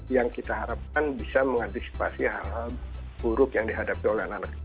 yang kita harapkan bisa mengantisipasi hal hal buruk yang dihadapi oleh anak anak